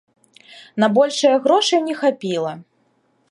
На большае грошай не хапіла.